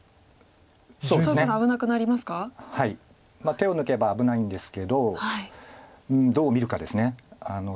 手を抜けば危ないんですけどどう見るかです。